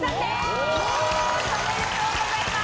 おめでとうございます。